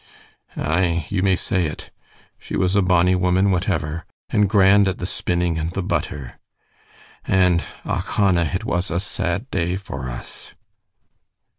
"Aye, you may say it; she was a bonnie woman whatever, and grand at the spinning and the butter. And, oich hone, it was a sad day for us."